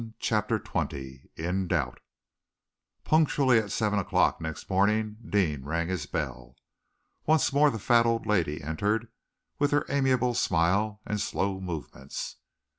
CHAPTER XX IN DOUBT Punctually at seven o'clock next morning Deane rang his bell. Once more the fat old lady entered, with her amiable smile and slow movements.